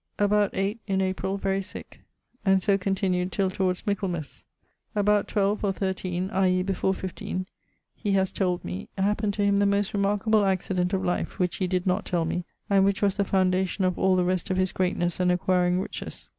About 8, in April very sick and so continued till towards Michaelmas. ☞ About 12 (or 13), i.e. before 15, he haz told me, happened to him the most remarkable accident of life (which he did not tell me), and which was the foundation of all the rest of his greatnes and acquiring riches.